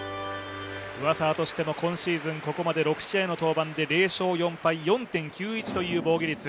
上沢としても今シーズン、ここまで６試合の登板で０勝４敗、４．９１という防御率。